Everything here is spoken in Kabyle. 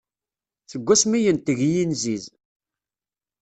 Seg wasmi yenteg yinziz.